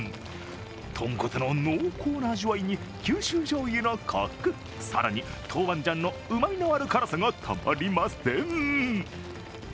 豚骨の濃厚な味わいに九州じょうゆのコク、更に、トウバンジャンのうまみのある辛さがたまりません。